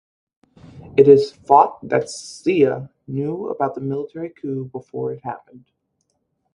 It is thought that Zia knew about the military coup before it happened.